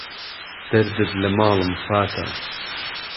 دهردت له ماڵم فاته